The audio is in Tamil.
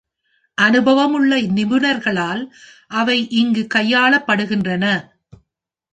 அனுபவமுள்ள நிபுணர்களால் அவை இங்கு கையாளப்படுகின்றன.